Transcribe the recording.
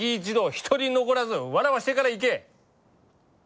一人残らず笑わせてから行け！